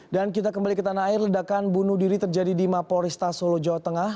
dan kita kembali ke tanah air ledakan bunuh diri terjadi di mapol rista solo jawa tengah